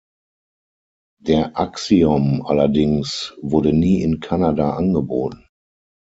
Der Axiom allerdings wurde nie in Kanada angeboten.